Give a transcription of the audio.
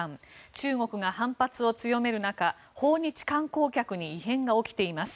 中国が反発を強める中訪日観光客に異変が起きています。